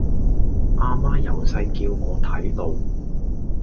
啊媽由細叫我睇路